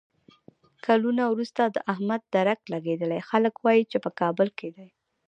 کلونه ورسته د احمد درک لګېدلی، خلک وایي چې په کابل کې دی.